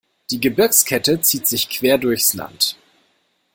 Die Gebirgskette zieht sich quer durchs Land.